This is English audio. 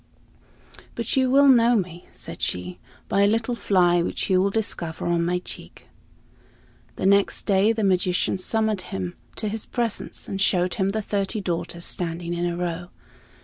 "But you will know me," said she, "by a little fly which you will discover on my cheek." The next day the magician summoned him to his presence, and showed him the thirty daughters standing in a row.